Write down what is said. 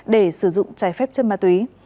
để sử dụng trái phép chất ma túy